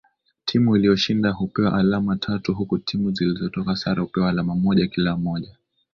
Timu iliyoshinda hupewa alama tatu huku timu zilizotoka sare hupewa alama moja kila moja